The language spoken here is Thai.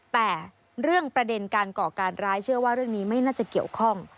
แต่เรื่องประเด็นการก่อการร้ายเชื่อว่าเรื่องนี้ไม่น่าจะเกี่ยวข้อง